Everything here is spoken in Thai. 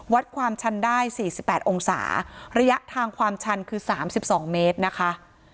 วัดความชันได้๔๘องศาระยะทางความชันคือ๓๒เมตรนะคะ